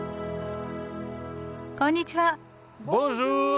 こんにちは。